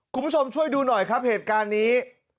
คุณผู้ชมช่วยดูหน่อยครับเหตุการณ์นี้